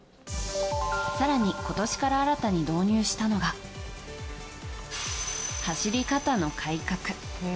更に、今年から新たに導入したのが走り方の改革。